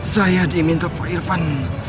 saya diminta pak irfan